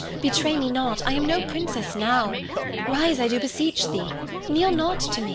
Betray me not! I am no princess now. Rise, I do beseech thee! Kneel not to me.